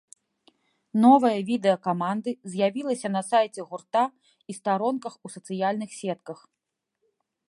Новае відэа каманды з'явілася на сайце гурта і старонках ў сацыяльных сетках.